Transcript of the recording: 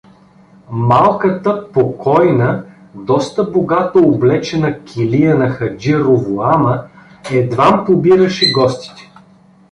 Малката покойна, доста богато облечена килия на Хаджи Ровоама едвам побираше гостите.